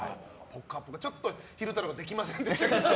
ちょっと昼太郎できませんでした。